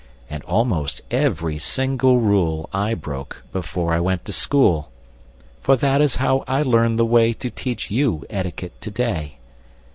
And almost every single rule I broke, before I went to school! For that is how I learned the way To teach you etiquette to day.